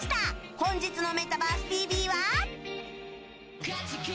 本日の「メタバースＴＶ！！」は。